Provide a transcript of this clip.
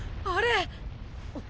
あれ！！